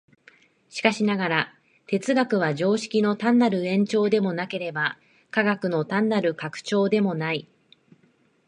しかしながら、哲学は常識の単なる延長でもなければ、科学の単なる拡張でもない。